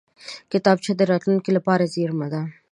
کتابچه د راتلونکې لپاره زېرمه ده